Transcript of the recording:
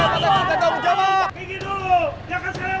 kita akan bertanggung jawab